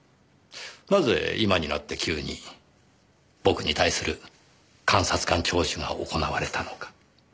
なぜ今になって急に僕に対する監察官聴取が行われたのか。